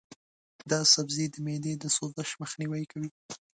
دا سبزی د معدې د سوزش مخنیوی کوي.